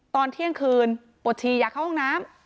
ตอนเที่ยงคืนปวดชีอยากเข้าห้องน้ำ